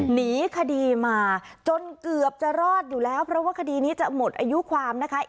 หนีคดีมาจนเกือบจะรอดอยู่แล้วเพราะว่าคดีนี้จะหมดอายุความนะคะ